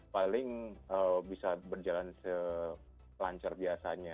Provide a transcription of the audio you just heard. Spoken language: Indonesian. paling bisa berjalan selancar biasanya